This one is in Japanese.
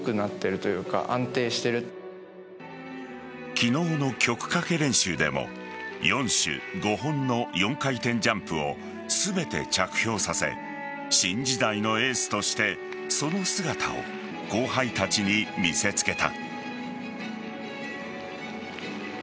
昨日の曲かけ練習でも４種５本の４回転ジャンプを全て着氷させシン時代のエースとしてその姿を後輩たちに見せつけた。